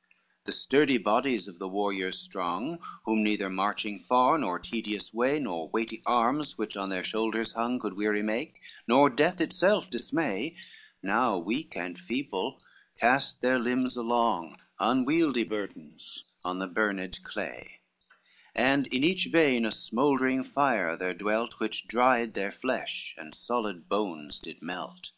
LXI The sturdy bodies of the warriors strong, Whom neither marching far, nor tedious way, Nor weighty arms which on their shoulders hung, Could weary make, nor death itself dismay; Now weak and feeble cast their limbs along, Unwieldly burdens, on the burned clay, And in each vein a smouldering fire there dwelt, Which dried their flesh and solid bones did melt.